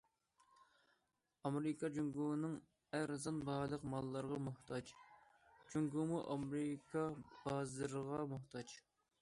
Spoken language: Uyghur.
ئامېرىكا جۇڭگونىڭ ئەرزان باھالىق ماللىرىغا موھتاج، جۇڭگومۇ ئامېرىكا بازىرىغا موھتاج.